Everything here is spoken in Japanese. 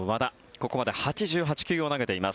ここまで８８球を投げています。